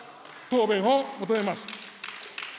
答弁を求めます。